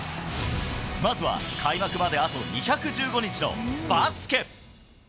まずは開幕まであと２１５日のバスケ。